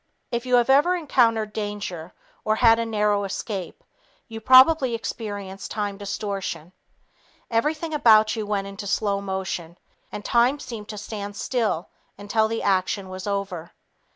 If you have ever encountered danger or had a narrow escape, you probably experienced time distortion. Everything about you went into slow motion, and time seemed to stand still until the action was over.